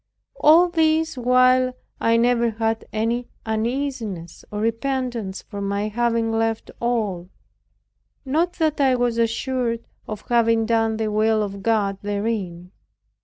All this while I never had any uneasiness or repentance for my having left at all; not that I was assured of having done the will of God therein.